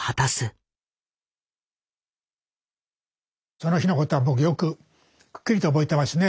その日のことは僕よくクッキリと覚えてますね。